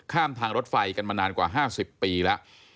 ทางรถไฟกันมานานกว่า๕๐ปีแล้ว